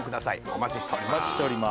お待ちしております